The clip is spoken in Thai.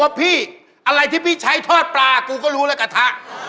อะไรที่ใช้ทอดปลากูก็รู้ละกระทะ